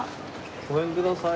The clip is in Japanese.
ごめんください。